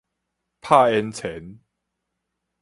拍煙腸